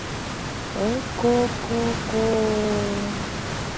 — Ок-ко-ко-ко-о-о...